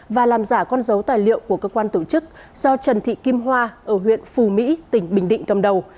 và làm giả con dấu tài liệu của cơ quan tổ chức do trần thị kim hoa ở huyện phù mỹ tỉnh bình định cầm đầu